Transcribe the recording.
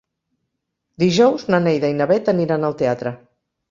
Dijous na Neida i na Bet aniran al teatre.